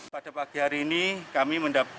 pada pagi hari ini kami mendapatkan